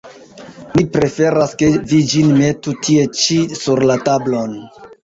Mi preferas, ke vi ĝin metu tie ĉi, sur la tablon!